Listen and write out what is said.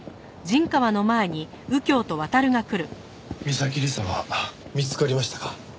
三崎理沙は見つかりましたか？